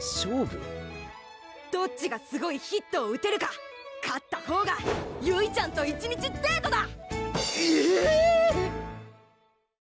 どっちがすごいヒットを打てるか勝ったほうがゆいちゃんと１日デートだ！